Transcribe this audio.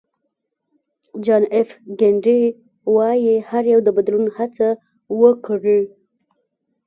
جان اېف کېنیډي وایي هر یو د بدلون هڅه وکړي.